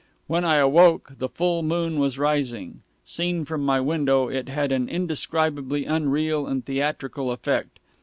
When I awoke the full moon was rising. Seen from my window, it had an indescribably unreal and theatrical effect.